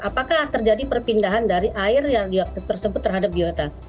apakah terjadi perpindahan dari air yang tersebut terhadap biota